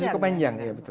ya cukup panjang